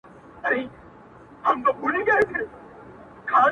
• د خپل بېچاره قام -